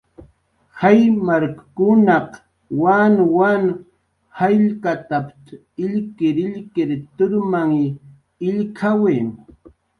"Jaymarkkunaq wanwan jallkatp""t"" illkirillkir turmany illk""awi "